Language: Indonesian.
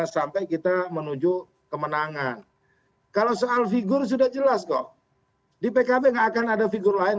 sampai kita menuju kemenangan kalau soal figur sudah jelas kok di pkb nggak akan ada figur lain